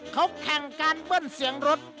เขาแข่งการเบิ้ลเสียงรถ